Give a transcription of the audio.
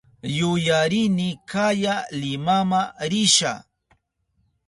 Yuyarini kaya Limama risha.